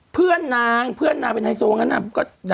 เพื่อนน้างเป็นไฮโซลเหมือนกันนะ